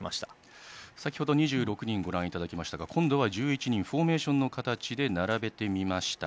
先程２６人をご覧いただきましたが今度は１１人フォーメーションの形で並べてみました。